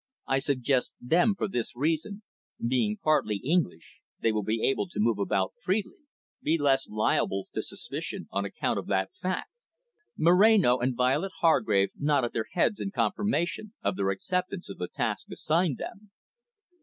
I suggest them for this reason being partly English, they will be able to move about more freely, be less liable to suspicion on account of that fact." Moreno and Violet Hargrave nodded their heads in confirmation of their acceptance of the task assigned them.